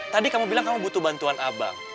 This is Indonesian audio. tadi kamu bilang kamu butuh bantuan abang